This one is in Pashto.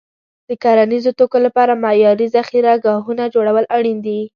د کرنیزو توکو لپاره معیاري ذخیره ګاهونه جوړول اړین دي.